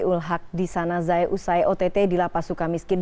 ul haq di sana zai usai ott di lapas suka miskin